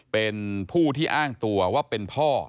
เป็นผู้ที่อ้างตัวว่าเป็นพ่อ